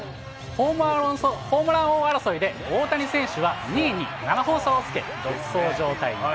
ホームラン王争いで大谷選手は２位に７本差をつけ、独走状態に。